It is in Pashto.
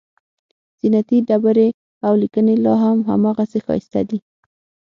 زینتي ډبرې او لیکنې لاهم هماغسې ښایسته دي.